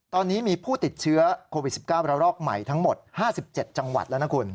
ตอนนี้มีผู้ติดเชื้อโควิด๑๙ระลอกใหม่ทั้งหมด๕๗จังหวัดแล้วนะคุณ